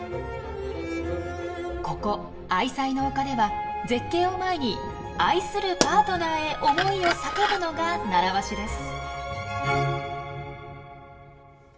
ここ愛妻の丘では絶景を前に愛するパートナーへ思いを叫ぶのが習わしです。